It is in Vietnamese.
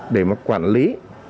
để mà quản lý